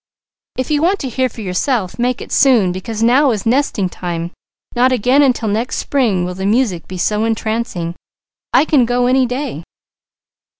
"If you want to hear for yourself, make it soon, because now is nesting time; not again until next spring will the music be so entrancing. I can go any day."